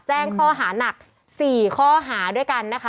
แจ้งข้อหานัก๔ข้อหาด้วยกันนะคะ